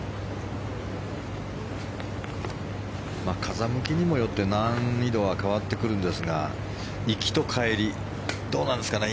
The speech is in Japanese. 風向きにもよって難易度は変わってくるんですが行きと帰り、どうなんですかね